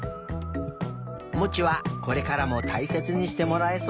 モチはこれからもたいせつにしてもらえそうだね。